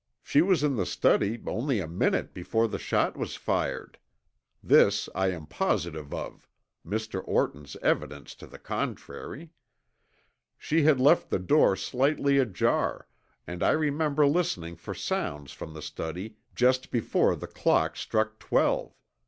She was in the study only a minute before the shot was fired. This I am positive of, Mr. Orton's evidence to the contrary. She had left the door slightly ajar and I remember listening for sounds from the study just before the clock struck twelve.